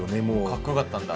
かっこよかったんだ。